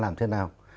làm thế nào